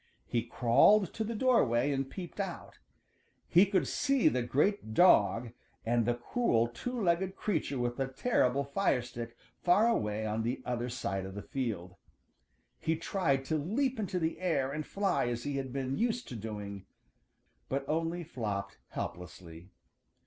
He crawled to the doorway and peeped out. He could see the great dog and the cruel two legged creature with the terrible fire stick far away on the other side of the field. He tried to leap into the air and fly as he had been used to doing, but only flopped helplessly.